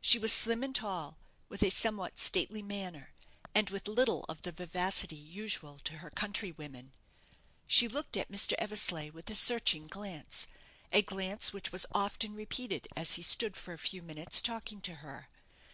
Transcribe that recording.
She was slim and tall, with a somewhat stately manner, and with little of the vivacity usual to her countrywomen. She looked at Mr. Eversleigh with a searching glance a glance which was often repeated, as he stood for a few minutes talking to her.